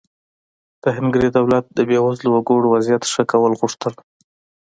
د هنګري دولت د بېوزله وګړو وضعیت ښه کول غوښتل.